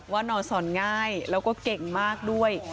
นอนสอนง่ายแล้วก็เก่งมากด้วย